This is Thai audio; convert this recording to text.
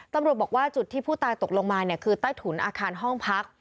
ตำรวจบอกว่าจุดที่ผู้ตายตกลงมาเนี่ยคือใต้ถุนอาคารห้องพัก